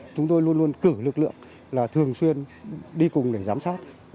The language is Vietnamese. chúng tôi luôn luôn cử lực lượng là thường xuyên đi cùng để giám sát